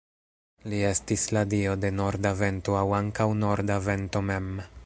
Li estis la dio de norda vento aŭ ankaŭ norda vento mem.